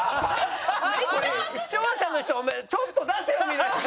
視聴者の人ちょっと出せよ！みたいな。